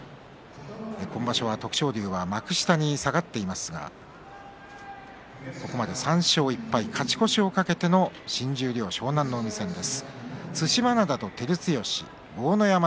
今場所は徳勝龍は幕下に下がっていますがここまで３勝１敗勝ち越しを懸けての新十両、湘南乃海戦です。